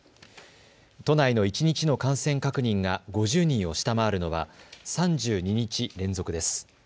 都内の一日の感染確認が５０人を下回るのは３２日連続です。